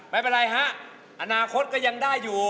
ไม่เป็นไรฮะอนาคตก็ยังได้อยู่